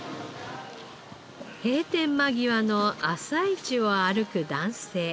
閉店間際の朝市を歩く男性。